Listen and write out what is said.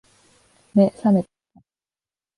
目、さめた？